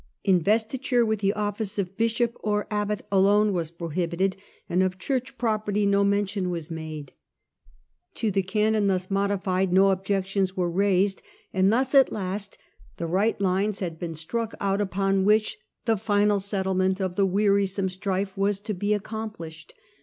Investiture with the office of bishop or abbot alone was prohibited, and of church property no mention was made. To the canon thus modified no Digitized by VjOOQIC 212 HlLDEBRAND objectionB were raised ; and thus at last the right lines had been struck out npon which the final settlement of the wearisome strife was to be accomplished.